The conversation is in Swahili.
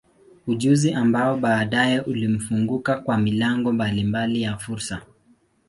Ujuzi ambao baadaye ulimfunguka kwa milango mbalimbali ya fursa.